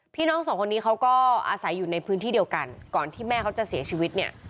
น้องสองคนนี้เขาก็อาศัยอยู่ในพื้นที่เดียวกันก่อนที่แม่เขาจะเสียชีวิตเนี่ย